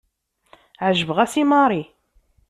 Ɛejbeɣ-as i Marie.